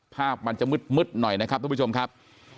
ภาพมันจะมืดหน่อยนะครับทุกผู้ชมครับ